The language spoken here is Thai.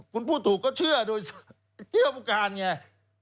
คุณพูดถูกก็เชื่อโดยเชื่อผู้การไง